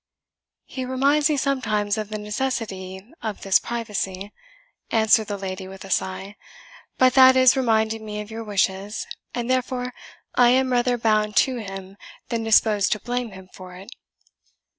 "He reminds me sometimes of the necessity of this privacy," answered the lady, with a sigh; "but that is reminding me of your wishes, and therefore I am rather bound to him than disposed to blame him for it."